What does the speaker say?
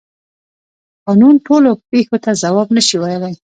قانون ټولو پیښو ته ځواب نشي ویلی.